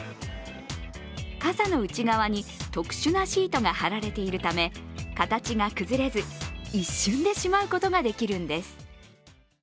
傘の内側に特殊なシートが貼られているため、形が崩れず、一瞬でしまうことができるんです。